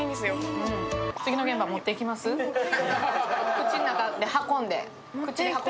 口の中で運んで。